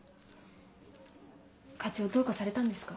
課長どうかされたんですか？